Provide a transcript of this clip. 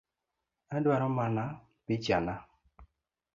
Adwaro mana picha na